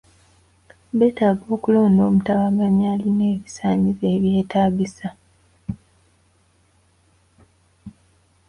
Beetaaga okulonda omutabaganya alina ebisaanyizo ebyetaagisa.